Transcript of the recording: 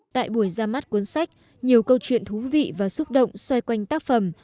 tại buổi ra mắt cuốn sách nhiều câu chuyện thú vị và xúc động xoay quanh tác phẩm